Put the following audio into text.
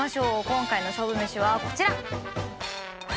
今回の勝負めしはこちら。